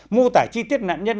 mô tả chi tiết nạn nhân